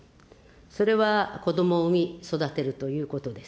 それは子どもを産み、育てるということです。